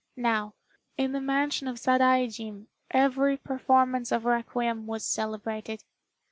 Now, in the mansion of Sadaijin every performance of requiem was celebrated.